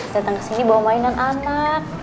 datang kesini bawa mainan anak